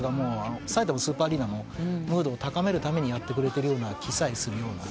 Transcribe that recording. さいたまスーパーアリーナのムードを高めるためにやってくれてるような気さえするような。